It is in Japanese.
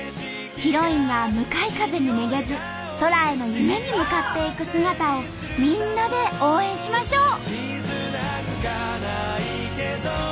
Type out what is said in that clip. ヒロインが向かい風にめげず空への夢に向かっていく姿をみんなで応援しましょう！